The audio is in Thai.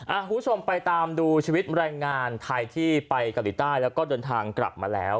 คุณผู้ชมไปตามดูชีวิตแรงงานไทยที่ไปเกาหลีใต้แล้วก็เดินทางกลับมาแล้ว